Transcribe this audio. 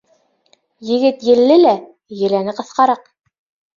Егет елле лә, еләне ҡыҫҡараҡ.